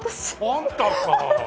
あんたか！